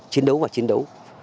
chiến đấu và chiến đấu